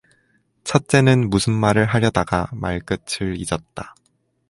첫째는 무슨 말을 하려다가 말끝을 잊었다.